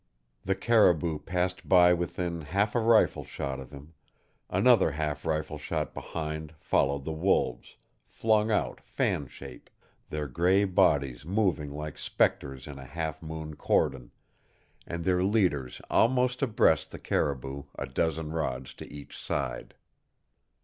The caribou passed by within half a rifle shot of him; another half rifle shot behind followed the wolves, flung out fan shape, their gray bodies moving like specters in a half moon cordon, and their leaders almost abreast the caribou a dozen rods to each side.